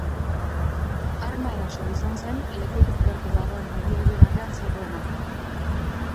Arma erasoa izan zen lekutik gertu dagoen amildegi batean zegoen.